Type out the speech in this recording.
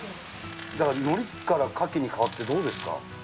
だからノリからカキにかわってどうですか？